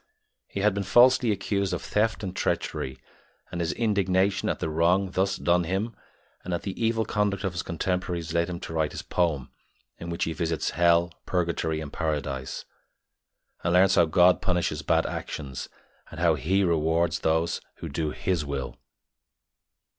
He had been falsely accused of theft and treachery, and his indignation at the wrong thus done him and at the evil conduct of his contemporaries led him to write his poem, in which he visits Hell, Purgatory, and Paradise, and learns how God punishes bad actions, and how He rewards those who do His will.